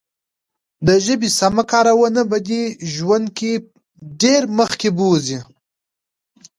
د ژبې سمه کارونه به دې ژوند کې ډېر مخکې بوزي.